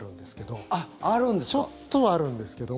ちょっとはあるんですけど。